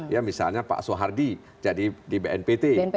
ya misalnya pak soehardi jadi di bnpt